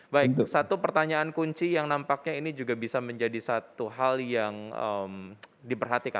baik satu pertanyaan kunci yang nampaknya ini juga bisa menjadi satu hal yang diperhatikan